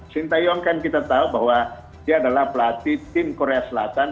sintayong kan kita tahu bahwa dia adalah pelatih tim korea selatan